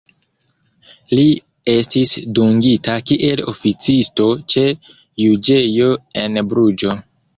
Li estis dungita kiel oficisto ĉe juĝejo en Bruĝo.